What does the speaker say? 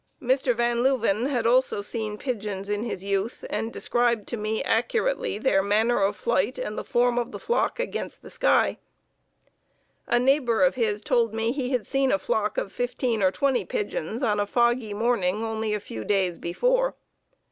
Mr. Van Leuven had also seen pigeons in his youth and described to me accurately their manner of flight and the form of the flock against the sky. A neighbor of his told me he had seen a flock of fifteen or twenty pigeons on a foggy morning only a few days before.